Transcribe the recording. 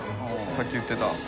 さっき言ってた。